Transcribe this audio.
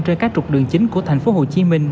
trên các trục đường chính của thành phố hồ chí minh